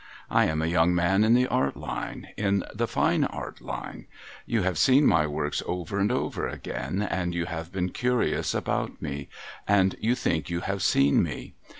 I am a young man in the Art line — in the Fine Art line. You have seen my works over and over again, and you have been curious about me, and you think you have seen me.